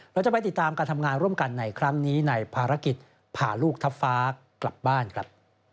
เราจะไปติดตามการทำงานร่วมกันในครั้งนี้ในภารกิจพาลูกทัพฟ้ากลับบ้านครับ